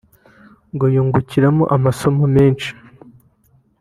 ngo yungukiramo amasomo menshi